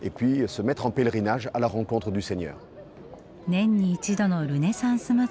年に一度のルネサンス祭り。